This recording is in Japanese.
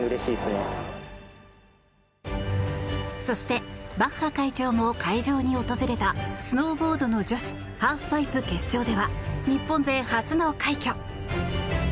そしてバッハ会長も会場に訪れたスノーボードの女子ハーフパイプ決勝では日本勢初の快挙。